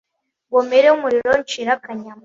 ngo mire umuriro ncire akanyama